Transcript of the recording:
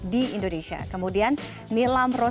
terima kasih mitra